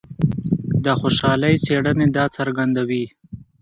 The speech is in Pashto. د خوشحالۍ څېړنې دا څرګندوي.